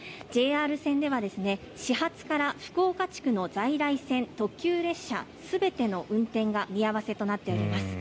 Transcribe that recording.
ＪＲ線では始発から福岡地区の在来線、特急列車全ての運転が見合わせとなっています。